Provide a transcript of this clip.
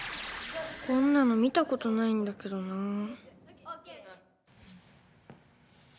こんなの見たことないんだけどなぁ。